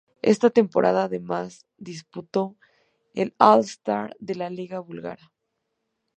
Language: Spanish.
Esa temporada además disputó el All-Star de la liga búlgara.